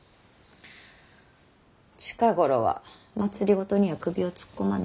近頃は政には首を突っ込まないの。